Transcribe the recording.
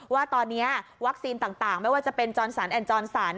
ว่าตอนนี้วัคซีนต่างไม่ว่าจะเป็นจอนสันแอนจรสัน